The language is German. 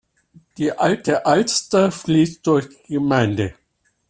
Die Alte Alster fließt durch die Gemeinde.